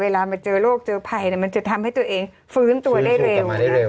เวลามาเจอโรคเจอภัยมันจะทำให้ตัวเองฟื้นตัวได้เร็ว